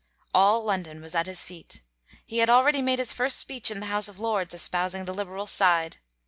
All London was at his feet. He had already made his first speech in the House of Lords espousing the Liberal side.